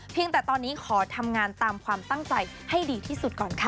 แต่ตอนนี้ขอทำงานตามความตั้งใจให้ดีที่สุดก่อนค่ะ